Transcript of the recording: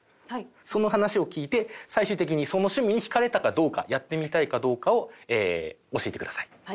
その話を聞いて最終的にその趣味に引かれたかどうかやってみたいかどうかを教えてください。